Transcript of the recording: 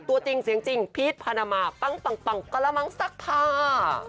ตัวตริงเสียงจริงพีชพนามาปั๊งปั๊งปั๊งกะละมังสักทา